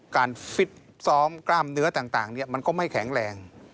ฟิตซ้อมกล้ามเนื้อต่างมันก็ไม่แข็งแรง